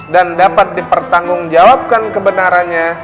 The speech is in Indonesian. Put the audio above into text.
dan dapat dipertanggungjawabkan kebenarannya